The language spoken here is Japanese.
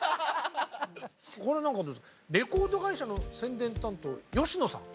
これなんかレコード会社の宣伝担当吉野さん。